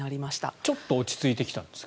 ちょっと落ち着いてきたんですか？